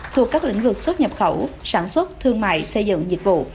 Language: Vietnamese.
thuộc các lĩnh vực xuất nhập khẩu sản xuất thương mại xây dựng dịch vụ